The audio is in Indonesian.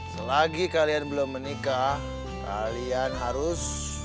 selagi kalian belum menikah kalian harus